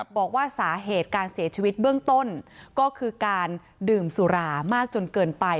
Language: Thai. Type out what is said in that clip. บอกว่าสาเหตุการเสียชีวิตเบื้องต้นก็คือการดื่มสุรามากจนเกินไป